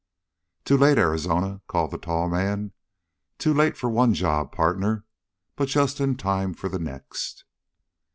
"Too late, Arizona," called the tall man. "Too late for one job, partner, but just in time for the next!"